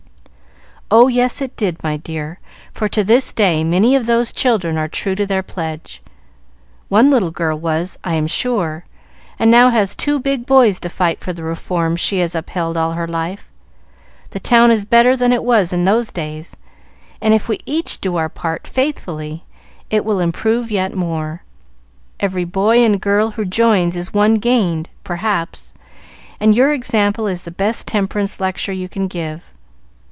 "Oh yes, it did, my dear; for to this day many of those children are true to their pledge. One little girl was, I am sure, and now has two big boys to fight for the reform she has upheld all her life. The town is better than it was in those days, and if we each do our part faithfully, it will improve yet more. Every boy and girl who joins is one gained, perhaps, and your example is the best temperance lecture you can give.